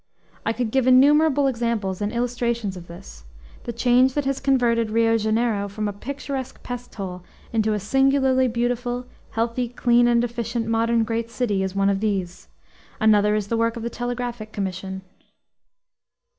I could give innumerable examples and illustrations of this. The change that has converted Rio Janeiro from a picturesque pest hole into a singularly beautiful, healthy, clean, and efficient modern great city is one of these. Another is the work of the Telegraphic Commission.